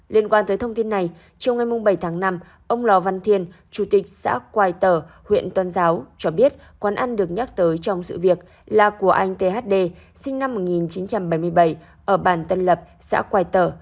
liên quan tới thông tin này chiều ngày bảy tháng năm ông lò văn thiên chủ tịch xã quài tở huyện tuần giáo cho biết quán ăn được nhắc tới trong sự việc là của anh thd sinh năm một nghìn chín trăm bảy mươi bảy ở bàn tân lập xã quài tở